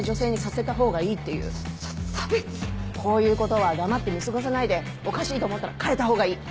こういうことは黙って見過ごさないでおかしいと思ったら変えたほうがいい。